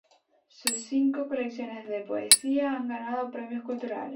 Sus cinco colecciones de poesía han ganado premios culturales.